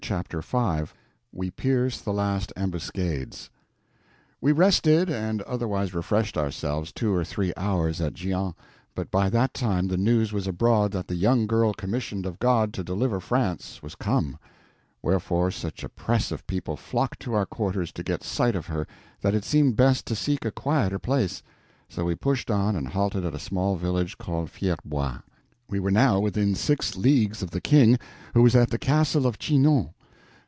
Chapter 5 We Pierce the Last Ambuscades WE RESTED and otherwise refreshed ourselves two or three hours at Gien, but by that time the news was abroad that the young girl commissioned of God to deliver France was come; wherefore, such a press of people flocked to our quarters to get sight of her that it seemed best to seek a quieter place; so we pushed on and halted at a small village called Fierbois. We were now within six leagues of the King, who was at the Castle of Chinon.